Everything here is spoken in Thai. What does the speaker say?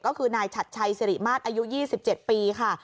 ก็คือนายฉัดชัยสิริมาตรอายุ๒๗ปีค่ะ